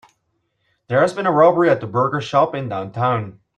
There has been a robbery at the burger shop in downtown.